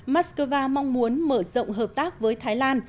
mắc cơ va mong muốn mở rộng hợp tác với thái lan